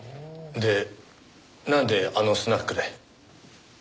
でなんであのスナックで？